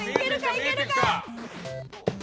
いけるか？